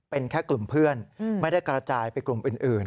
เป็นแค่กลุ่มเพื่อนไม่ได้กระจายไปกลุ่มอื่น